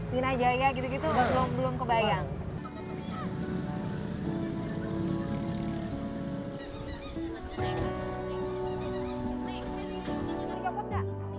minajaya gitu gitu belum kebayang